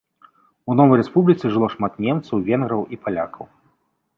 У новай рэспубліцы жыло шмат немцаў, венграў і палякаў.